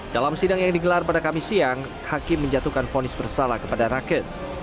dalam sidang yang digelar pada kamis siang hakim menjatuhkan fonis bersalah kepada rakes